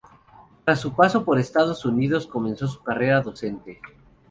Tras su paso por Estados Unidos comenzó su carrera docente.